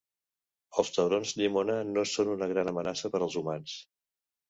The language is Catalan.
Els taurons llimona no són una gran amenaça per als humans.